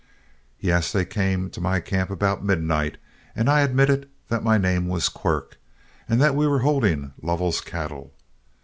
Yes, they came to my camp about midnight, and I admitted that my name was Quirk and that we were holding Lovell's cattle.